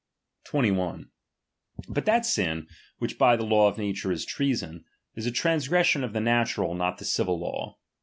miin»i« 2 1 . But that sin, which by the law of nature is lul^'iaw. treason, is a transgression of the natural, not the civil law.